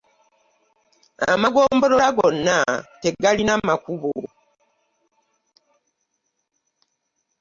Amagombolola gonna tegalina makubo.